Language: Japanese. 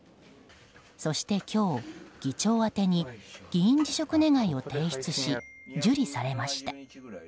そして今日、議長宛てに議員辞職願を提出し受理されました。